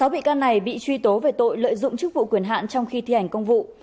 sáu bị can này bị truy tố về tội lợi dụng chức vụ quyền hạn trong khi thi hành công vụ